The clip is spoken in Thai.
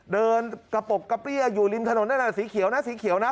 เดินกระปกกระเปี้ยอยู่ริมถนนนั่นน่ะสีเขียวนะสีเขียวนะ